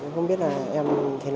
không biết là em